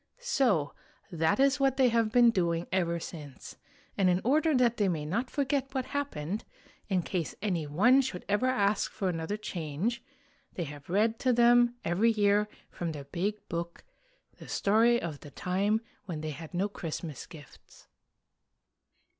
So that is what they have been doing ever since; and in order that they may not forget what happened, in case any one should ever ask for another change, they have read to them every year from their Big Book the story of the time when they had no Christmas gifts.